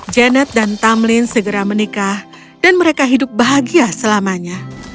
janet dan tamlin segera menikah dan mereka hidup bahagia selamanya